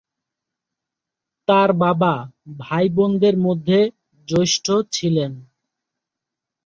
তার বাবা ভাইবোনদের মধ্যে জ্যেষ্ঠ ছিলেন।